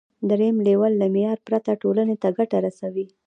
دریم لیول له معیار پرته ټولنې ته ګټه رسوي.